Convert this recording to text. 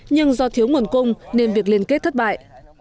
nhưng do thiếu nguồn cung nên việc liên kết thất bại